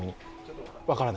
分からない。